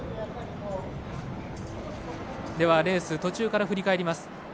レース、途中から振り返ります。